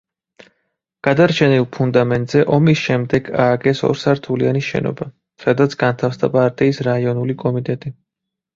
გადარჩენილ ფუნდამენტზე ომის შემდეგ ააგეს ორსართულიანი შენობა, სადაც განთავსდა პარტიის რაიონული კომიტეტი.